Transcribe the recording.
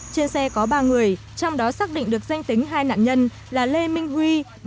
trên xe có ba người trong đó xác định được danh tính hai nạn nhân là lê minh huy